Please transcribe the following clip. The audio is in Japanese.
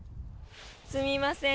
すみません